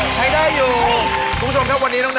ขอให้โชคดี